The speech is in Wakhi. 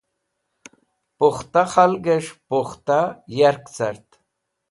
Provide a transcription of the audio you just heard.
Pukhta khalgẽs̃h pukhta yark cart.